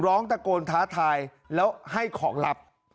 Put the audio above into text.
ร้องตะโกนท้าทายแล้วให้ของลับ